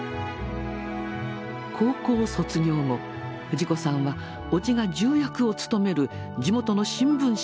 高校卒業後藤子さんは伯父が重役を務める地元の新聞社に就職します。